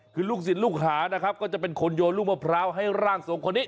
คือลูกศิษย์ลูกหานะครับก็จะเป็นคนโยนลูกมะพร้าวให้ร่างทรงคนนี้